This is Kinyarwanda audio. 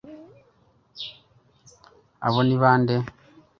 abo ni bande